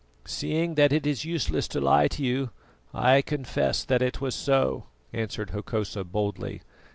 "Seeing that it is useless to lie to you, I confess that it was so," answered Hokosa boldly.